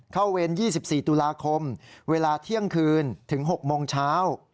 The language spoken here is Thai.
เวร๒๔ตุลาคมเวลาเที่ยงคืนถึง๖โมงเช้า